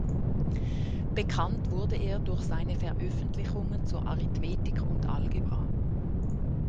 Bekannt wurde er durch seine Veröffentlichungen zur Arithmetik und Algebra.